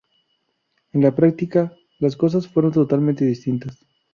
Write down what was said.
En la práctica las cosas fueron totalmente distintas.